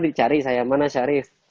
dicari saya mana syarif